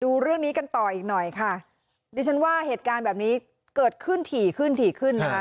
ดูเรื่องนี้กันต่ออีกหน่อยค่ะดิฉันว่าเหตุการณ์แบบนี้เกิดขึ้นถี่ขึ้นถี่ขึ้นนะคะ